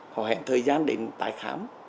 họ hẹn thời gian để tái khám